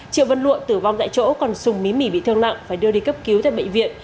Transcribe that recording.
triệu văn lụa tử vong tại chỗ còn sùng mí bị thương nặng phải đưa đi cấp cứu tại bệnh viện